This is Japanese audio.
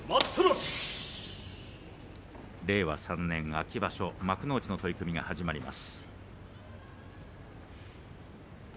令和３年秋場所幕内の取組が始まります。